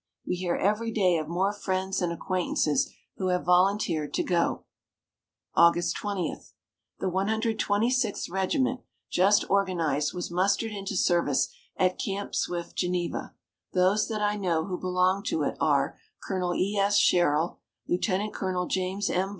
We hear every day of more friends and acquaintances who have volunteered to go. August 20. The 126th Regiment, just organized, was mustered into service at Camp Swift, Geneva. Those that I know who belong to it are Colonel E. S. Sherrill, Lieutenant Colonel James M.